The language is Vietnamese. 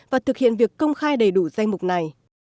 và thực hiện việc công khai đầy đủ danh mục này